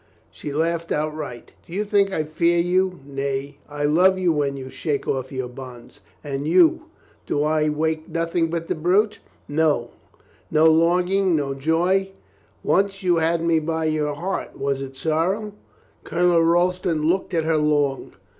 She laughed outright. "Do you think I fear you? Nay, I love you when you shake off your bonds. And you — do I wake nothing but the brute? No longing, no joy? Once you had me by your heart. Was it sorrow?" Colonel Royston looked at her long.